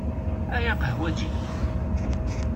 A yaqahwaǧi!